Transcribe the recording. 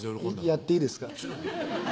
やっていいですか？